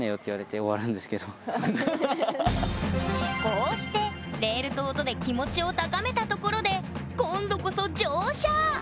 こうしてレールと音で気持ちを高めたところで今度こそ乗車！